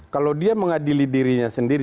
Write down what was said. kalau dia mengadili dirinya sendiri